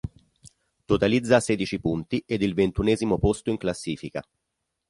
Totalizza sedici punti ed il ventunesimo posto in classifica.